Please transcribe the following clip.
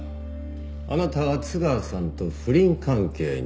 あなたは津川さんと不倫関係にあった。